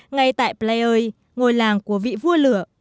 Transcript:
ngay tại plei ơi ngôi làng của vị vua lửa